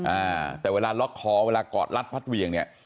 อ่าแต่เวลาล็อกคอเวลากอดรัดฟัดเวียงเนี่ย